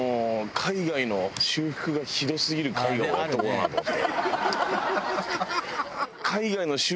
海外の修復がひどすぎる絵画をやっておこうかなと思って。